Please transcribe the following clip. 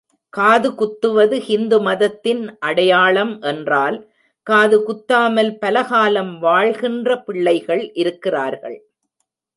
காது குத்துவது ஹிந்து மதத்தின் அடையாளம் என்றால், காது குத்தாமல் பல காலம் வாழ்கின்ற பிள்ளைகள் இருக்கிறார்கள்.